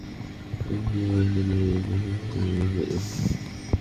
আমাদের দ্বারা কিছু লোক উপকৃত হলে আমরা আনন্দের ঢেউ অনুভব করব, তাই না?